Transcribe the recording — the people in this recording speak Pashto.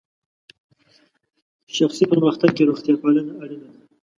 شخصي پرمختګ کې روغتیا پالنه اړینه ده.